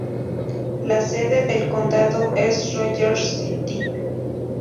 La sede del condado es Rogers City.